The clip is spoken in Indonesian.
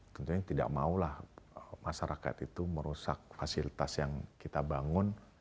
tentunya tidak maulah masyarakat itu merusak fasilitas yang kita bangun